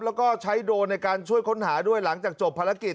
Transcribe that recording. แล้วก็ใช้โดรนในการช่วยค้นหาด้วยหลังจากจบภารกิจ